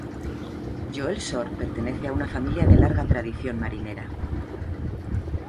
Joel Shore pertenece a una familia de larga tradición marinera.